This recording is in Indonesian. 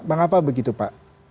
mengapa begitu pak